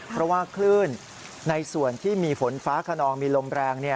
เพราะว่าคลื่นในส่วนที่มีฝนฟ้าขนองมีลมแรง